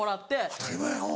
当たり前やおぉ。